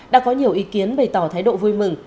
đã có nhiều ý kiến bày tỏ thái độ vui mừng